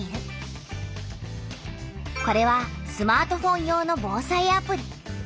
これはスマートフォン用の「防災アプリ」。